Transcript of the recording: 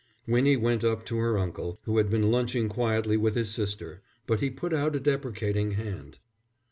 Winnie went up to her uncle, who had been lunching quietly with his sister, but he put out a deprecating hand.